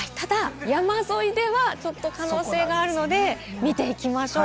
山沿いではちょっと可能性あるので見ていきましょう。